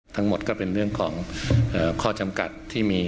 ทั้งหมดก็เป็นเรื่องของข้อจำกัดที่มี